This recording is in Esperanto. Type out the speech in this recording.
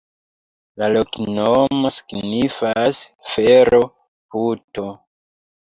La loknomo signifas: fero-puto.